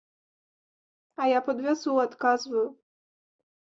А я падвязу, адказваю.